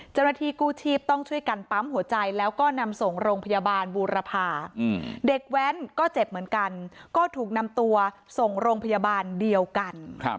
เจ้าหน้าที่กู้ชีพต้องช่วยกันปั๊มหัวใจแล้วก็นำส่งโรงพยาบาลบูรพาเด็กแว้นก็เจ็บเหมือนกันก็ถูกนำตัวส่งโรงพยาบาลเดียวกัน